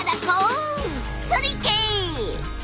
それ行け！